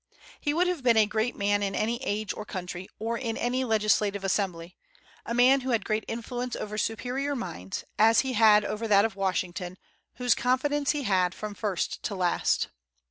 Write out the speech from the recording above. He would have been a great man in any age or country, or in any legislative assembly, a man who had great influence over superior minds, as he had over that of Washington, whose confidence he had from first to last.